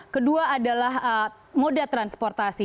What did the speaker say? kedua adalah moda transportasi